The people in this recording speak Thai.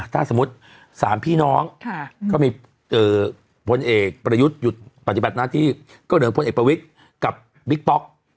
ถ้าสมมุติ๓พี่น้องก็มีพลเอกประยุทธ์หยุดปฏิบัติหน้าที่ก็เหลือพลเอกประวิทย์กับบิ๊กป๊อก